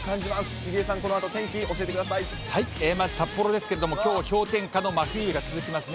杉江さん、このあと天気、教えてまず札幌ですけれども、きょうは氷点下の真冬日が続きますね。